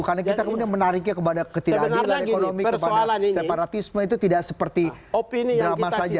karena kita kemudian menariknya kepada ketidakpunan ekonomi kepada separatisme itu tidak seperti drama saja